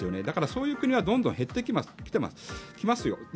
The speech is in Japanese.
だから、そういう国はどんどん減ってきますよ。